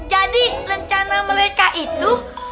jadi rencana mereka itu